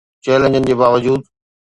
چئلينجن جي باوجود